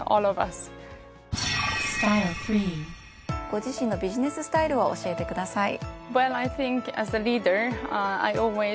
ご自身のビジネススタイルを教えてください。